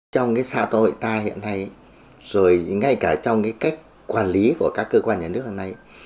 trong cái xã hội ta hiện nay rồi ngay cả trong cái cách quản lý của các cơ quan nhà nước hôm nay